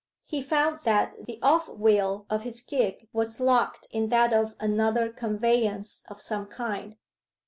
He found that the off wheel of his gig was locked in that of another conveyance of some kind.